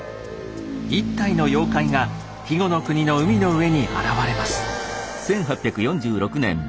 一体の妖怪が肥後国の海の上に現れます。